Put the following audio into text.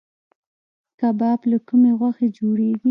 کباب له کومې غوښې جوړیږي؟